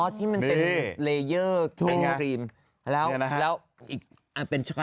นี่มันเหมือนไอศกรีมวานีลากันอีกหนึ่ง